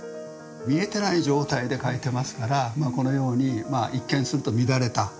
見えてない状態で書いてますからこのように一見すると乱れたですね